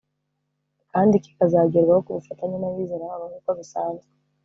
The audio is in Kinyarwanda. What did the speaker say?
kandi kikazagerwaho ku bufatanye n’abizera babo nk’uko bisanzwe